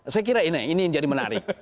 saya kira ini ini yang jadi menarik